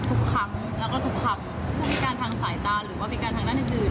ทุกครั้งแล้วก็ทุกคำผู้พิการทางสายตาหรือว่าพิการทางด้านอื่น